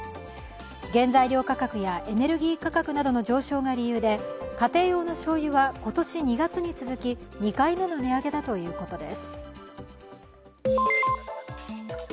原材料価格やエネルギー価格などの上昇が理由で家庭用のしょうゆは今年２月に続き２回目の値上げということです。